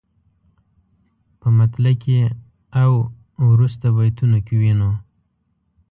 په مطلع کې او وروسته بیتونو کې وینو.